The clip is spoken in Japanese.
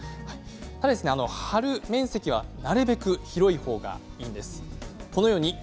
ただ貼る面積はなるべく広い方がいいんです。